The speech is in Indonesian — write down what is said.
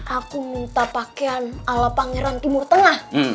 aku minta pakaian ala pangeran timur tengah